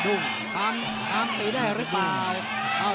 หรือเปล่าฮ๊ามไหตได้หรือเปล่า